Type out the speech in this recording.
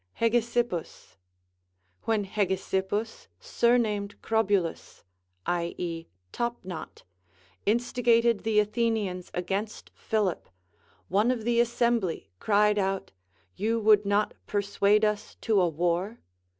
Hegesippus. AVhen Hegesippus, surnamed Crobylus (i.e. Top knot), instigated the Athenians against Philip, one of the assembly cried out, You would not persuade us to a war